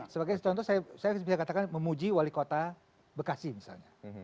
sebagai contoh saya bisa katakan memuji wali kota bekasi misalnya